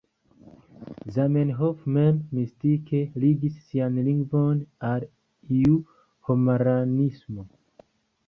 Zamenhof mem, mistike ligis sian lingvon al iu homaranismo.